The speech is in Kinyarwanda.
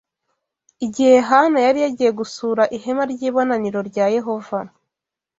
igihe Hana yari yagiye gusura ihema ry’ibonaniro rya Yehova